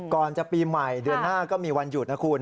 ก่อนจะปีใหม่เดือนหน้าก็มีวันหยุดนะคุณ